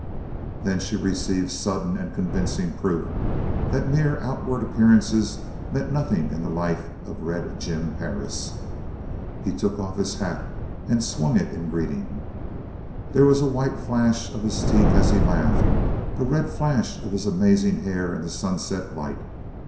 Then she received sudden and convincing proof that mere outward appearances meant nothing in the life of Red Jim Perris. He took off his hat and swung it in greeting. There was a white flash of his teeth as he laughed, a red flash of his amazing hair in the sunset light.